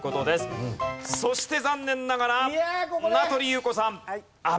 そして残念ながら名取裕子さん阿部亮平さん